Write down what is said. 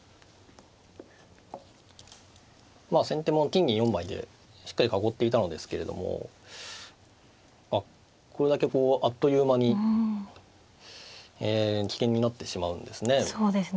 まあ先手も金銀４枚でしっかり囲っていたのですけれどもこれだけこうあっという間に危険になってしまうんですね。